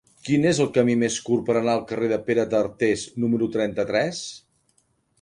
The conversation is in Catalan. Quin és el camí més curt per anar al carrer de Pere d'Artés número trenta-tres?